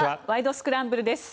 スクランブル」です。